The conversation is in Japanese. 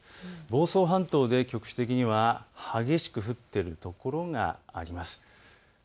房総半島で局地的には激しく降っている所があります。